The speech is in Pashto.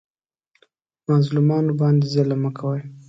مظلومانو باندې ظلم مه کوئ